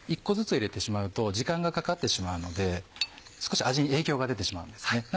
１個ずつ入れてしまうと時間がかかってしまうので少し味に影響が出てしまうんですね。